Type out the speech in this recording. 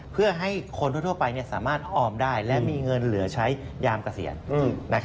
เพื่อให้คนทั่วไปสามารถออมได้และมีเงินเหลือใช้ยามเกษียณ